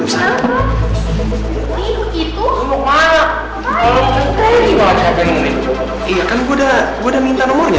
gue cabut ya